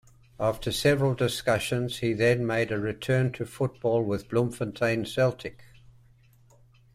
After several discussions, he then made a return to football with Bloemfontein Celtic.